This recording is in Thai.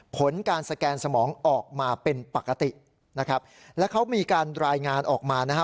ผลการสแกนสมองออกมาเป็นปกตินะครับแล้วเขามีการรายงานออกมานะฮะ